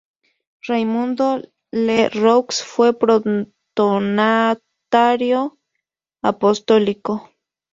Raimundo Le Roux fue protonotario apostólico.